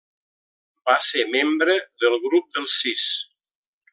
Va ser membre del Grup dels Sis.